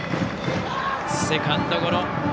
セカンドゴロ。